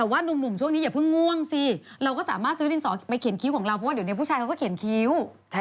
ไม่เพราะว่ามันมีไฟอีกสองเนี่ยคุณกริจ